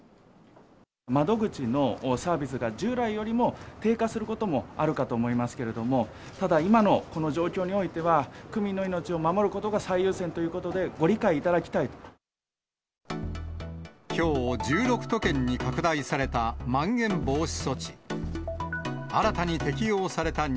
窓口のサービスが従来よりも低下することもあるかと思いますけれども、ただ、今のこの状況においては、区民の命を守ることが最優先ということで、ご理解いたきょう、１６都県に拡大されたまん延防止措置。